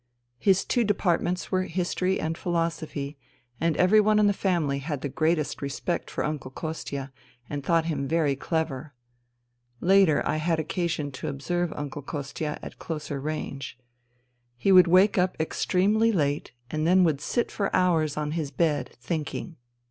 His two departments were history and philosophy, and every one in the family had the greatest respect for Uncle Kostia and thought him very clever. Later I had occasion to observe Uncle Kostia at closer range. He would wake up extremely late and would then sit for hours on his bed, thinking.